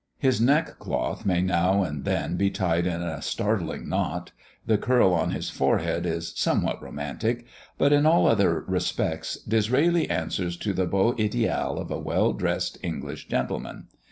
His neckcloth may now and then be tied in a startling knot the curl on his forehead, is somewhat romantic but in all other respects Disraeli answers to the beau ideal of a well dressed English gentleman.